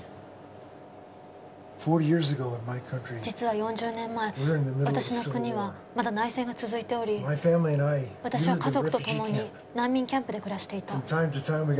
「実は４０年前私の国はまだ内戦が続いており私は家族とともに難民キャンプで暮らしていた」。